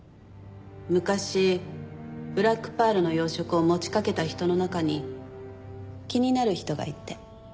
昔ブラックパールの養殖を持ちかけた人の中に気になる人がいて。